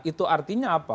itu artinya apa